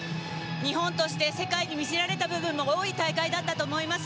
日本として世界に見せられた部分も多い大会だったと思います。